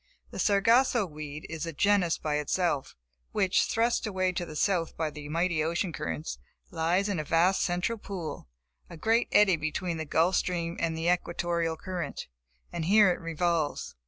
The Sargasso weed is a genus by itself, which, thrust away to the south by the mighty ocean currents, lies in a vast central pool, a great eddy between the Gulf Stream and the Equatorial current; and here it revolves.